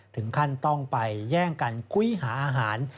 ถึงขั้นต้องไปแย่งกันคุ้ยหาอาหาร